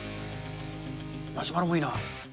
マシュマロもいいな。